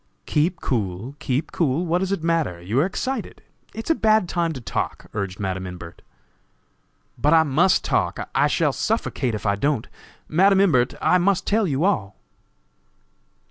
"Keep cool, keep cool! What does it matter? You are excited; it is a bad time to talk," urged Madam Imbert. "But I must talk: I shall suffocate if I don't. Madam Imbert, I must tell you all."